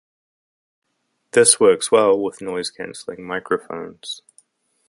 This works well with noise cancelling microphones.